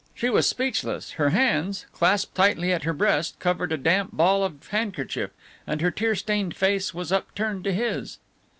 She was speechless, her hands, clasped tightly at her breast, covered a damp ball of handkerchief, and her tear stained face was upturned to his.